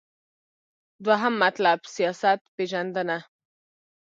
دوهم مطلب : سیاست پیژندنه